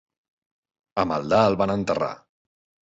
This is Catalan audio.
A Maldà el van enterrar.